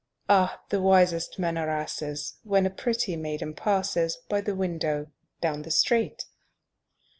Ah, the wisest men are asses When a pretty maiden passes By the window down the street!